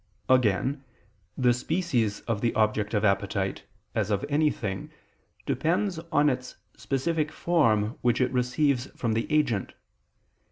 Again, the species of the object of appetite, as of any thing, depends on its specific form which it receives from the agent.